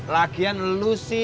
lagian lo sih